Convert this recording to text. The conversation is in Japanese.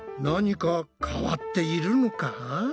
何か変わっているのか？